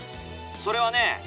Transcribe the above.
それはね